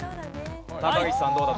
高岸さんどうだ？